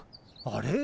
あれ？